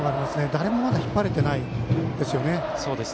誰もまだ引っ張れてないですね。